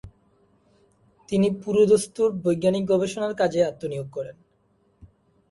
তিনি পুরোদস্তুর বৈজ্ঞানিক গবেষণার কাজে আত্মনিয়োগ করেন।